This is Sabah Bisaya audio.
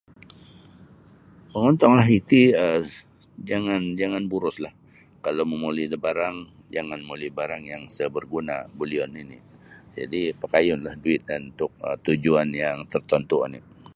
Mongontonglah iti um jangan jangan boroslah kalau momoli da barang jangan momoli da barang yang sa' barguna' bolion nini' jadi' pakayunlah duit um untuk tujuan yang tertentu' oni'.